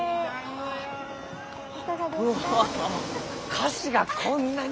菓子がこんなに！？